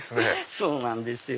そうなんですよ。